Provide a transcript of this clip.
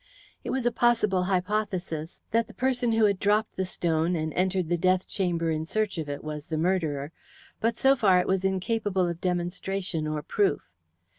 It was a possible hypothesis that the person who had dropped the stone and entered the death chamber in search of it was the murderer, but so far it was incapable of demonstration or proof.